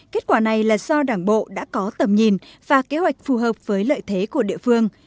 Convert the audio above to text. kết quả này là do đảng bộ đã có tầm nhìn và kế hoạch phù hợp với lợi thế của địa phương